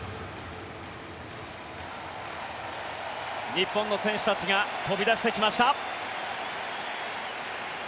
日本の選手たちが飛び出してきました。